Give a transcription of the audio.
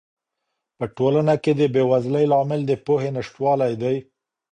په ټولنه کې د بې وزلۍ لامل د پوهې نشتوالی دی.